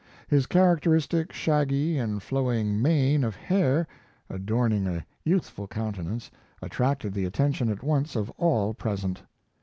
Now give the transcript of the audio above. His characteristic shaggy and flowing mane of hair adorning a youthful countenance attracted the attention at once of all present.